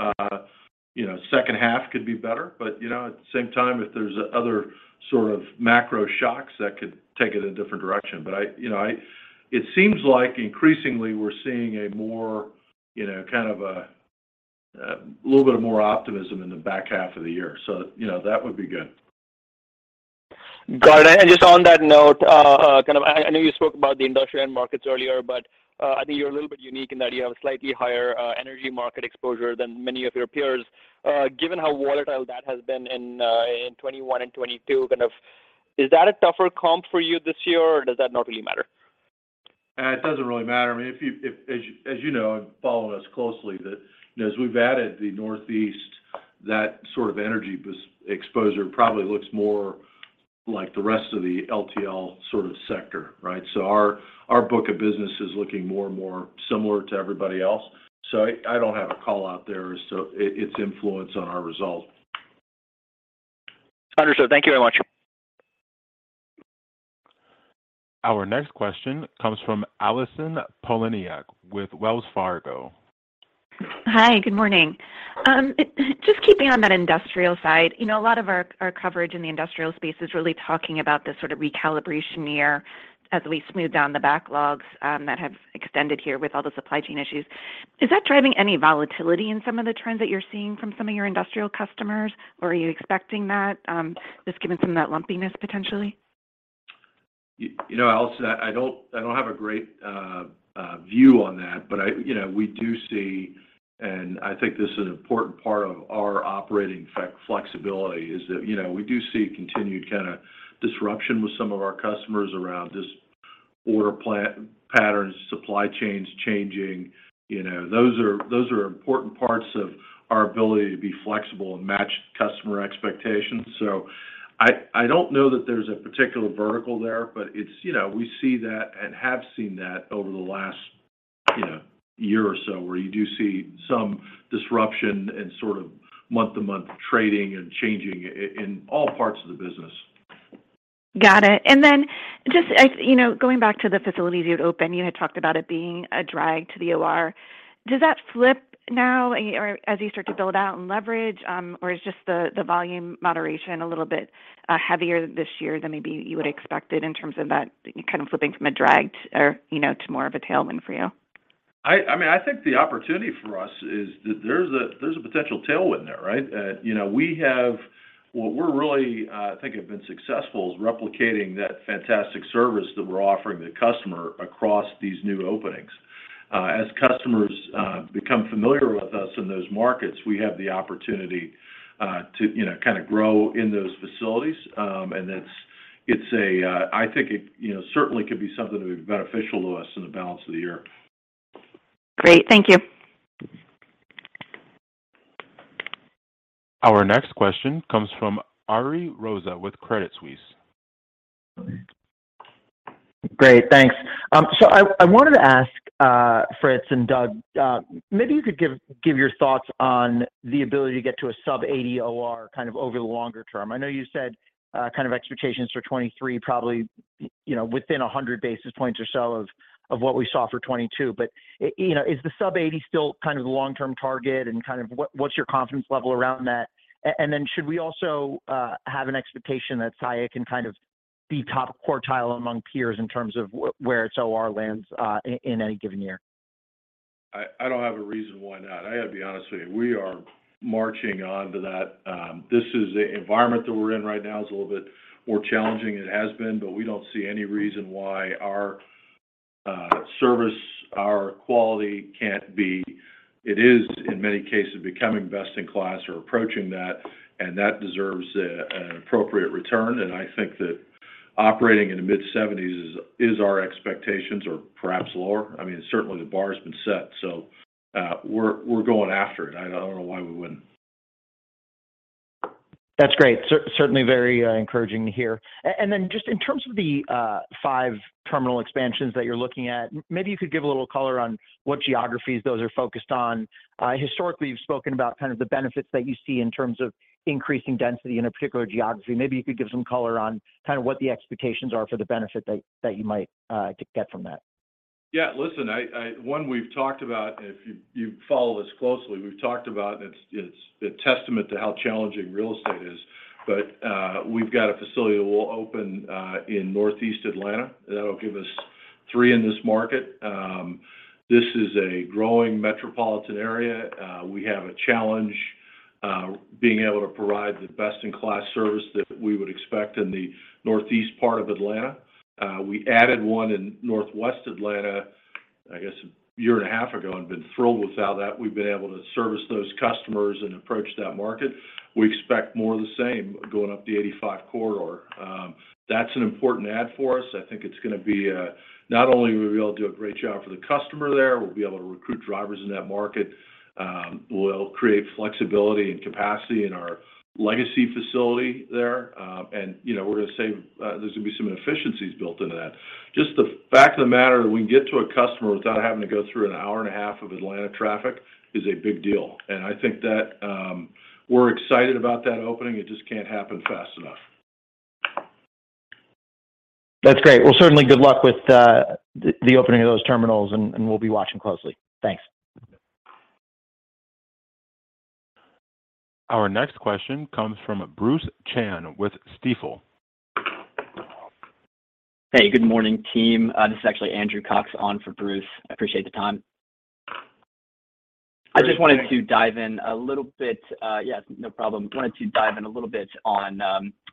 you know, second half could be better. You know, at the same time, if there's other sort of macro shocks, that could take it a different direction. I, you know, I... It seems like increasingly we're seeing a more, you know, kind of a little bit of more optimism in the back half of the year. You know, that would be good. Got it. Just on that note, kind of I know you spoke about the industrial end markets earlier, but I think you're a little bit unique in that you have a slightly higher energy market exposure than many of your peers. Given how volatile that has been in 2021 and 2022, kind of is that a tougher comp for you this year, or does that not really matter? It doesn't really matter. I mean, if as you know following us closely that, you know, as we've added the Northeast, that sort of energy exposure probably looks more like the rest of the LTL sort of sector, right? Our book of business is looking more and more similar to everybody else. I don't have a call out there as to its influence on our results. Understood. Thank you very much. Our next question comes from Allison Poliniak with Wells Fargo. Hi. Good morning. Just keeping on that industrial side, you know, a lot of our coverage in the industrial space is really talking about this sort of recalibration year as we smooth down the backlogs, that have extended here with all the supply chain issues. Is that driving any volatility in some of the trends that you're seeing from some of your industrial customers, or are you expecting that, just given some of that lumpiness potentially? You know, Allison, I don't, I don't have a great view on that. I, you know, we do see, and I think this is an important part of our operating flexibility, is that, you know, we do see continued kind of disruption with some of our customers around just order patterns, supply chains changing. You know, those are important parts of our ability to be flexible and match customer expectations. I don't know that there's a particular vertical there, but it's, you know, we see that and have seen that over the last, you know, year or so, where you do see some disruption and sort of month-to-month trading and changing in all parts of the business. Got it. Just as, you know, going back to the facilities you had opened, you had talked about it being a drag to the OR. Does that flip now or as you start to build out and leverage, or is just the volume moderation a little bit heavier this year than maybe you would've expected in terms of that kind of flipping from a drag to OR, you know, to more of a tailwind for you? I mean, I think the opportunity for us is that there's a potential tailwind there, right? You know, What we're really, I think have been successful is replicating that fantastic service that we're offering the customer across these new openings. As customers, become familiar with us in those markets, we have the opportunity, to, you know, kind of grow in those facilities. It's a... I think it, you know, certainly could be something to be beneficial to us in the balance of the year. Great. Thank you. Our next question comes from Ariel Rosa with Credit Suisse. Great. Thanks. I wanted to ask Fritz and Doug, maybe you could give your thoughts on the ability to get to a sub-80 OR kind of over the longer term. I know you said, kind of expectations for 2023 probably, you know, within 100 basis points or so of what we saw for 2022. You know, is the sub-80 still kind of the long-term target, and what's your confidence level around that? Should we also have an expectation that Saia can kind of be top quartile among peers in terms of where its OR lands in any given year? I don't have a reason why not. I gotta be honest with you. We are marching on to that. This is the environment that we're in right now is a little bit more challenging than it has been, but we don't see any reason why our service, our quality can't be. It is in many cases becoming best in class or approaching that, and that deserves an appropriate return. I think that operating in the mid-70s is our expectations or perhaps lower. I mean, certainly the bar has been set, so we're going after it. I don't know why we wouldn't. That's great. Certainly very encouraging to hear. Then just in terms of the five terminal expansions that you're looking at, maybe you could give a little color on what geographies those are focused on. Historically, you've spoken about kind of the benefits that you see in terms of increasing density in a particular geography. Maybe you could give some color on kind of what the expectations are for the benefit that you might get from that. Listen. One we've talked about, if you follow this closely, we've talked about and it's a testament to how challenging real estate is, but we've got a facility that will open in Northeast Atlanta, that'll give us three in this market. This is a growing metropolitan area. We have a challenge being able to provide the best in class service that we would expect in the Northeast part of Atlanta. We added one in Northwest Atlanta, I guess, a year and a half ago and been thrilled with how that we've been able to service those customers and approach that market. We expect more of the same going up the 85 corridor. That's an important add for us. I think it's gonna be a not only are we able to do a great job for the customer there, we'll be able to recruit drivers in that market, we'll create flexibility and capacity in our legacy facility there. You know, we're gonna save, there's gonna be some efficiencies built into that. Just the fact of the matter that we can get to a customer without having to go through an hour and a half of Atlanta traffic is a big deal. I think that, we're excited about that opening. It just can't happen fast enough. That's great. Well, certainly good luck with the opening of those terminals and we'll be watching closely. Thanks. Our next question comes from Bruce Chan with Stifel. Hey, good morning, team. This is actually Andrew Cox on for Bruce. Appreciate the time. Great. Thanks. I just wanted to dive in a little bit. Yes, no problem. Wanted to dive in a little bit on,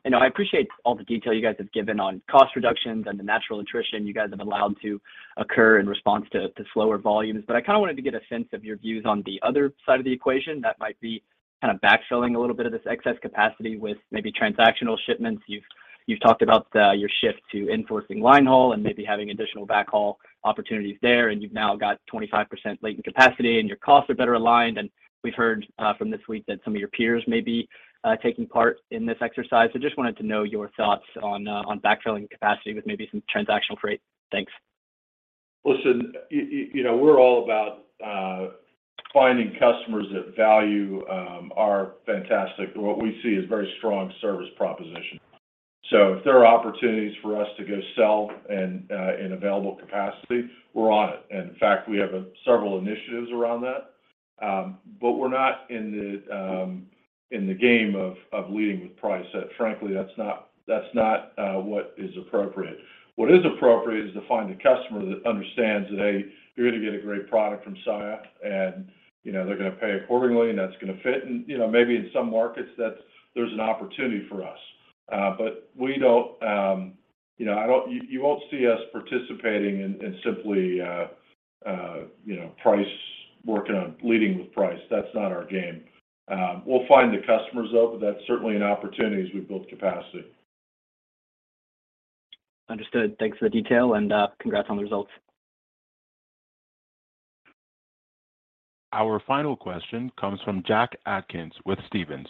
you know, I appreciate all the detail you guys have given on cost reductions and the natural attrition you guys have allowed to occur in response to slower volumes. I kinda wanted to get a sense of your views on the other side of the equation that might be kinda backfilling a little bit of this excess capacity with maybe transactional shipments. You've talked about your shift to enforcing line haul and maybe having additional backhaul opportunities there, and you've now got 25% latent capacity and your costs are better aligned. We've heard from this week that some of your peers may be taking part in this exercise. Just wanted to know your thoughts on backfilling capacity with maybe some transactional freight. Thanks. Listen, you know, we're all about finding customers that value our fantastic, what we see as very strong service proposition. If there are opportunities for us to go sell and in available capacity, we're on it. In fact, we have several initiatives around that. We're not in the game of leading with price. Frankly, that's not what is appropriate. What is appropriate is to find a customer that understands that, hey, you're gonna get a great product from Saia and, you know, they're gonna pay accordingly and that's gonna fit. You know, maybe in some markets that there's an opportunity for us. We don't, you know, you won't see us participating in simply, you know, price, working on leading with price. That's not our game. We'll find the customers, though, but that's certainly an opportunity as we build capacity. Understood. Thanks for the detail and, congrats on the results. Our final question comes from Jack Atkins with Stephens.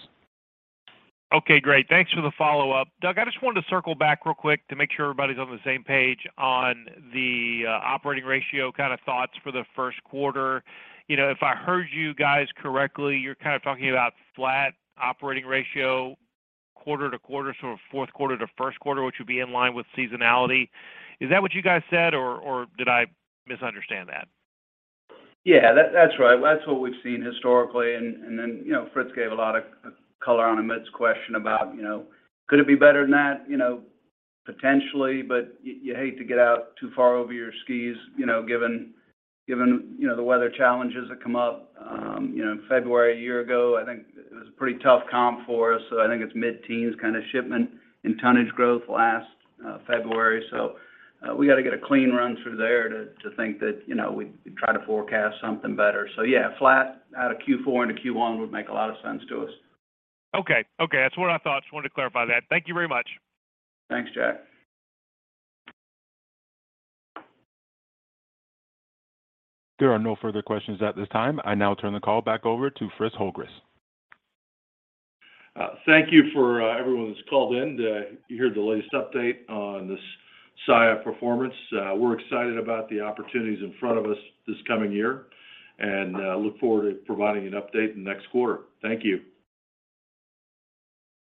Okay, great. Thanks for the follow-up. Doug, I just wanted to circle back real quick to make sure everybody's on the same page on the operating ratio kind of thoughts for the first quarter. You know, if I heard you guys correctly, you're kind of talking about flat operating ratio quarter-to-quarter, sort of fourth quarter to first quarter, which would be in line with seasonality. Is that what you guys said or did I misunderstand that? Yeah, that's right. That's what we've seen historically. Then, you know, Fritz gave a lot of color on Amit's question about, you know, could it be better than that? You know, potentially, but you hate to get out too far over your skis, you know, given, you know, the weather challenges that come up. You know, February a year ago, I think it was a pretty tough comp for us. I think it's mid-teens kinda shipment and tonnage growth last February. We got to get a clean run through there to think that, you know, we could try to forecast something better. Yeah, flat out of Q4 into Q1 would make a lot of sense to us. Okay. Okay. That's what I thought. Just wanted to clarify that. Thank you very much. Thanks, Jack. There are no further questions at this time. I now turn the call back over to Fritz Holzgrefe. Thank you for everyone that's called in to hear the latest update on this Saia performance. We're excited about the opportunities in front of us this coming year, and look forward to providing an update in the next quarter. Thank you.